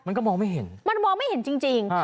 มันก็มองไม่เห็นมันมองไม่เห็นจริง